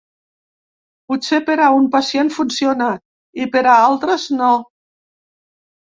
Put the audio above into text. Potser per a un pacient funciona i per a altres no.